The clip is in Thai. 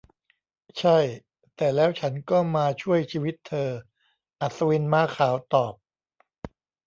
'ใช่ แต่แล้วฉันก็มาช่วยชีวิตเธอ ! ' อัศวินม้าขาวตอบ